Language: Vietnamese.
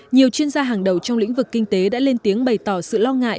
nhiều chuyên gia hàng đầu trong lĩnh vực kinh tế đã lên tiếng bày tỏ sự lo ngại